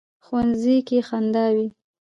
ښوونځی کې خندا وي